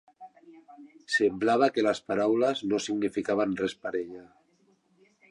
Semblava que les paraules no significaven res per ella.